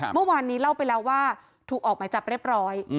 เมื่อวานนี้เล่าไปแล้วว่าถูกออกหมายจับเรียบร้อย